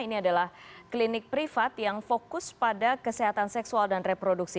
ini adalah klinik privat yang fokus pada kesehatan seksual dan reproduksi